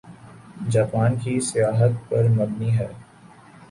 Japan کی سیاحت پر مبنی ہے